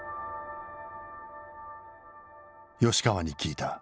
吉川に聞いた。